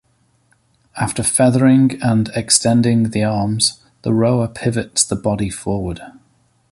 After feathering and extending the arms, the rower pivots the body forward.